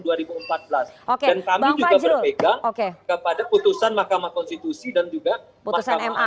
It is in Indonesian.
dan kami juga berpegang kepada putusan mahkamah konstitusi dan juga mahkamah agung